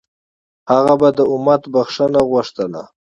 هغه به د امت بښنه غوښتله.